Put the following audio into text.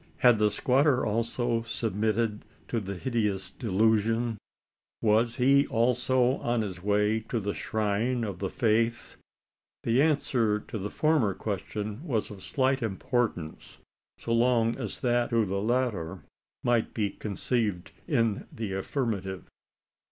Had the squatter also submitted to the hideous delusion? Was he also on his way to the shrine of the faith? The answer to the former question was of slight importance, so long as that to the latter might be conceived in the affirmative.